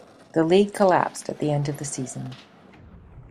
The league collapsed at the end of the season.